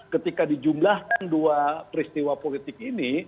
ketika dijumlahkan dua peristiwa politik ini